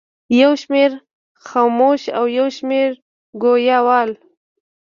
یو شمېر خموش او یو شمېر ګویا ول.